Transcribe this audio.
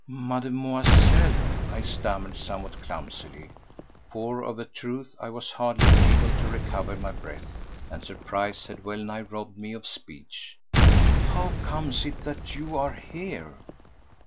"Mademoiselle," I stammered somewhat clumsily, for of a truth I was hardly able to recover my breath, and surprise had well nigh robbed me of speech, "how comes it that you are here?"